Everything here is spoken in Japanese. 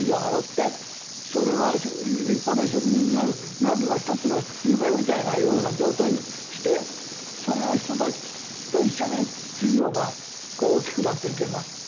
それは立派な職人になるのが１つの夢みたいなような状態にしてそういう人たちと一緒に企業が大きくなっていけばいいと思うんだけど。